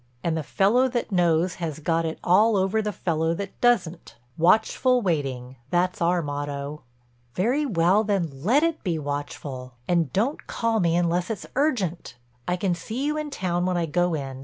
And the fellow that knows has got it all over the fellow that doesn't. Watchful waiting—that's our motto." "Very well, then let it be watchful. And don't call me up unless it's urgent. I can see you in town when I go in.